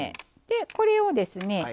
でこれをですね